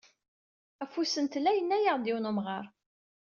Ɣef usentel-a, yenna-aɣ-d yiwen n umɣar.